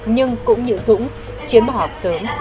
nhưng cũng như dũng chiến bỏ học sớm